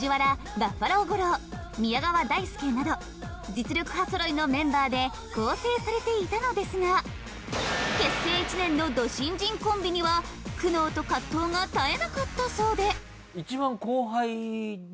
バッファロー吾郎宮川大輔など実力派揃いのメンバーで構成されていたのですが結成１年のド新人コンビには苦悩と葛藤が絶えなかったそうで一番後輩。